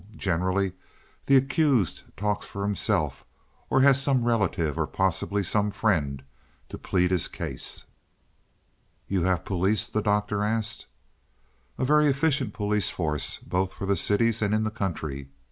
Generally the accused talks for himself or has some relative, or possibly some friend to plead his case." "You have police?" the Doctor asked. "A very efficient police force, both for the cities and in the country.